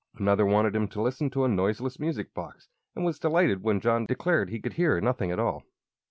Another wanted him to listen to a noiseless music box, and was delighted when John declared he could hear nothing at all.